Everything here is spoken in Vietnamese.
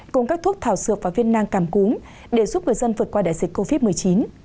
cùng các thuốc thảo dược và viên nang cảm cúm để giúp người dân vượt qua đại dịch covid một mươi chín